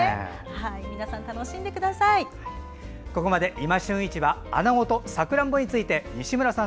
皆さん楽しんでください。